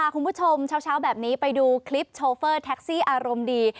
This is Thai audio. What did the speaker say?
คุณผู้ชมเช้าแบบนี้ไปดูคลิปโชเฟอร์แท็กซี่อารมณ์ดี